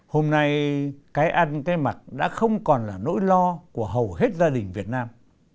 hôm nay cái ăn cái mặt đã không còn là nỗi lo của hầu hết gia đình việt nam